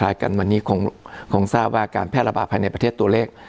รายการวันนี้คงทราบว่าการแพร่ระบาดภายในประเทศตัวเลข